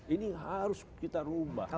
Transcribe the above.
ini harus kita rubah